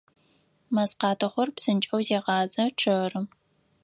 Мэзкъатыхъур псынкӏэу зегъазэ, чъэры.